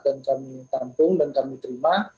dan kami tampung dan kami terima